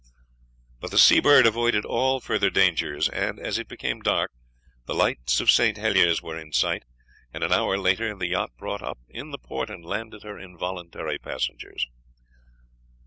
But the Seabird avoided all further dangers, and as it became dark the lights of St. Helier's were in sight, and an hour later the yacht brought up in the port and landed her involuntary passengers.